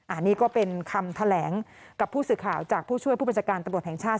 อันนี้ก็เป็นคำแถลงกับผู้สื่อข่าวจากผู้ช่วยผู้บัญชาการตำรวจแห่งชาติ